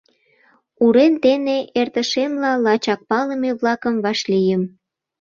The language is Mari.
Урем дене эртышемла, лачак палыме-влакым вашлийым.